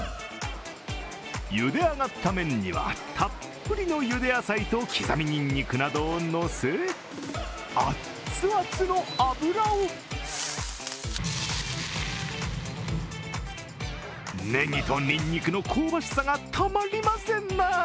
ゆであがった麺にはたっぷりのゆで野菜と刻みニンニクなどをのせあっつあつの油をネギとニンニクの香ばしさがたまりませんな。